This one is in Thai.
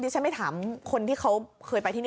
ฉันไม่ถามคนที่เขาเคยไปที่นี่